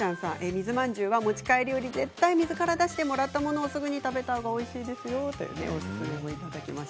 水まんじゅうは持ち帰りより、絶対水から出してもらったものをすぐ食べるのがおいしいですということです。